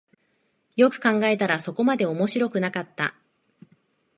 よく考えたらそこまで面白くなかった